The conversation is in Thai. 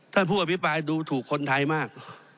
ท่านผู้อภิปรายดูถูกคนไทยมาก